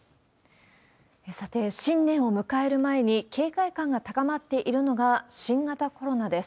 さて、新年を迎える前に、警戒感が高まっているのが新型コロナです。